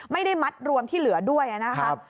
ไม่ได้มัดรวมที่เหลือด้วยนะครับ